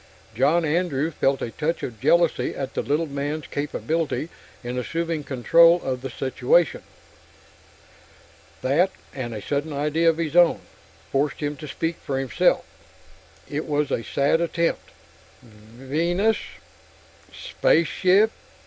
John Andrew felt a touch of jealousy at the little man's capability in assuming control of the situation. That, and a sudden idea of his own, forced him to speak for himself. It was a sad attempt. "Venus.... Spaceship...."